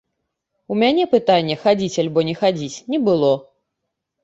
У мяне пытання хадзіць альбо не хадзіць, не было.